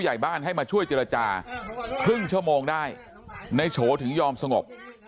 ใหญ่บ้านให้มาช่วยเจรจาครึ่งชั่วโมงได้ในโฉถึงยอมสงบ